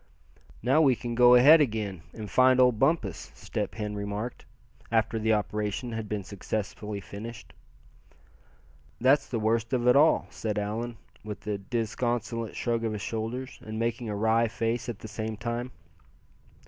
"Now we can go ahead again, and find old Bumpus," Step Hen remarked, after the operation had been successfully finished. "That's the worst of it all," said Allan, with a disconsolate shrug of his shoulders, and making a wry face at the same time.